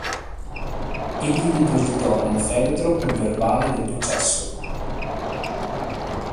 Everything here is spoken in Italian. Egli depositò nel feretro un verbale del processo.